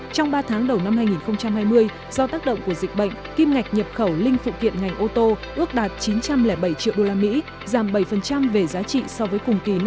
trong ba tháng đầu năm hai nghìn hai mươi do tác động của dịch bệnh kim ngạch nhập khẩu linh phụ kiện ngành ô tô ước đạt chín trăm linh bảy triệu usd giảm bảy về giá trị so với cùng kỳ năm hai nghìn một mươi